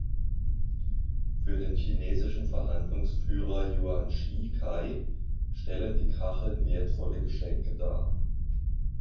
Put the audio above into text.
Für den chinesischen Verhandlungsführer Yuan Schi Kai stellen die Kacheln wertvolle Geschenke dar.